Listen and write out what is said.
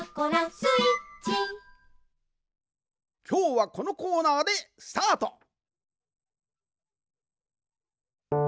きょうはこのコーナーでスタート。